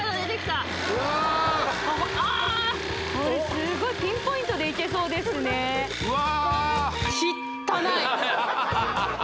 うわああこれすごいピンポイントでいけそうですねうわ